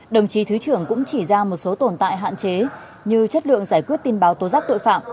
đồng chí thứ trưởng cũng chỉ ra một số tồn tại hạn chế như chất lượng giải quyết tin báo tố rắc tội phạm